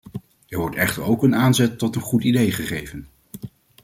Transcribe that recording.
Er wordt echter ook een aanzet tot een goed idee gegeven.